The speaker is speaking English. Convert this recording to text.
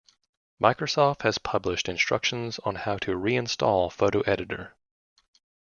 Microsoft has published instructions on how to reinstall Photo Editor.